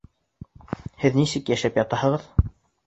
Һеҙ нисек йәшәп ятаһығыҙ?